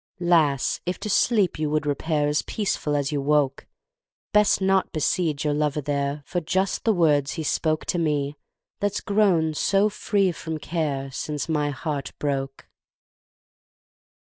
Lass, if to sleep you would repair As peaceful as you woke, Best not beseige your lover there For just the words he spoke To me, that's grown so free from care Since my heart broke!